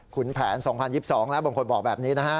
แผน๒๐๒๒แล้วบางคนบอกแบบนี้นะฮะ